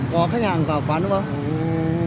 có khách hàng vào quán đúng không ạ